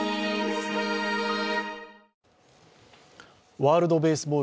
ワールドベースボール